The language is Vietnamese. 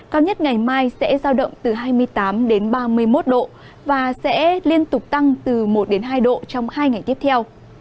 cao nhất ngày mai sẽ giao động từ hai mươi tám đến ba mươi một độ và sẽ liên tục tăng từ một hai độ trong hai ngày tiếp theo